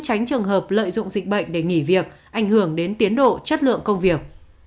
tránh trường hợp lợi dụng dịch bệnh để nghỉ việc ảnh hưởng đến tiến độ chất lượng công việc